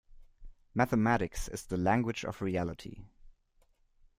Mathematics is the language of reality.